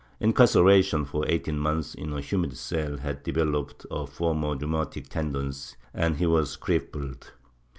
Incarceration for eighteen months in a humid cell had developed a former rheu matic tendency and he was crippled.